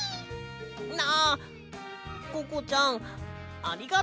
ああココちゃんありがとう。